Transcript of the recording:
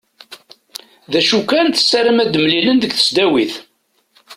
D acu kan tessaram ad mlilen deg tesdawit.